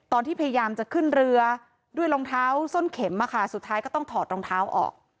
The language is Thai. พยายามจะขึ้นเรือด้วยรองเท้าส้นเข็มสุดท้ายก็ต้องถอดรองเท้าออก